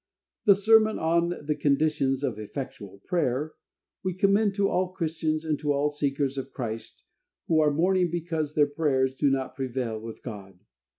The sermon on The Conditions of Effectual Prayer, we commend to all Christians and to all seekers of Christ, who are mourning because their prayers do not prevail with God.